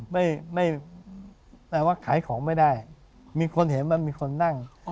แปลว่าขายของไม่ได้มีคนเห็นมันมีคนนั่ง